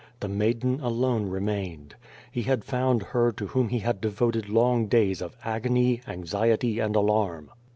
The maiden alone remained. He had found her to whom he had devoted long days of agony, anxiety and alarm.